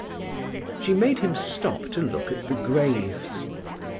She made him stop to look at the graves.